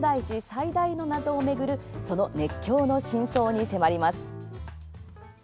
最大の謎を巡るその熱狂の真相に迫ります。